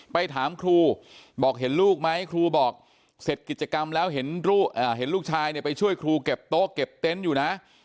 ไปถามครูบอกเห็นลูกไหมครูบอกเสร็จกิจกรรมแล้วเห็นลูกชายเนี่ยไปช่วยครูเก็บโต๊ะเก็บเต็นต์อยู่นะ